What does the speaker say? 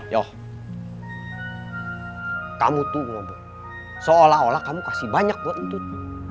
yoh kamu tuh ngobrol seolah olah kamu kasih banyak buat entut